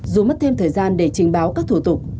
dù mất thêm thời gian để trình báo các thủ tục